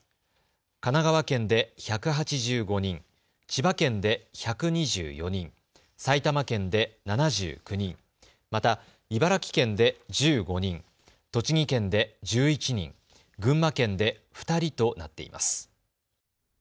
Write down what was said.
神奈川県で１８５人、千葉県で１２４人、埼玉県で７９人、また茨城県で１５人、栃木県で１１人、群馬県で２人となっています。